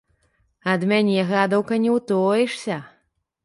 Ад мяне, гадаўка, не ўтоішся!